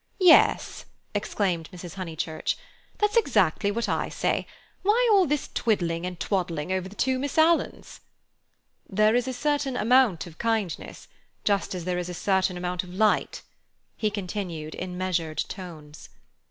"Yes!" exclaimed Mrs. Honeychurch. "That's exactly what I say. Why all this twiddling and twaddling over two Miss Alans?" "There is a certain amount of kindness, just as there is a certain amount of light," he continued in measured tones.